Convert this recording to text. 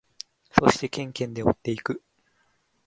そしてケンケンで追っていく。